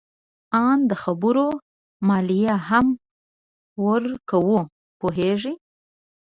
آن د خبرو مالیه هم ورکوو. پوهیږې؟